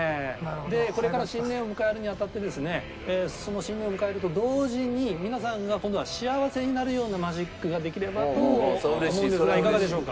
これから新年を迎えるにあたってですね新年を迎えると同時に皆さんが今度は幸せになるようなマジックができればと思うんですがいかがでしょうか？